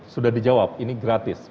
sudah dijawab ini gratis